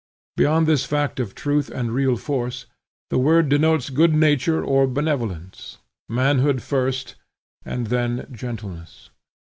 Beyond this fact of truth and real force, the word denotes good nature or benevolence: manhood first, and then gentleness.